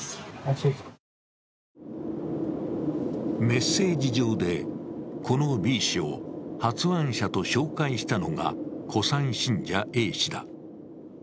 メッセージ上で、このＢ氏を発案者と紹介したのが古参信者、Ａ氏だ。